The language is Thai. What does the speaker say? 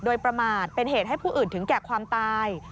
โดยประมาทเป็นเหตุให้ผู้อื่นถึงแก่ความตาย